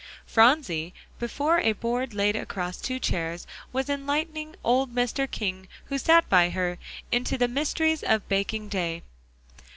Phronsie, before a board laid across two chairs, was enlightening old Mr. King who sat by her, into the mysteries of baking day.